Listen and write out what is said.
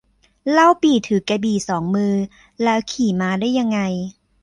เล่าปี่ถือกระบี่สองมือ แล้วขี่ม้าได้ยังไง